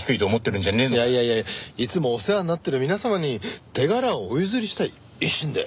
いやいやいやいつもお世話になってる皆様に手柄をお譲りしたい一心で。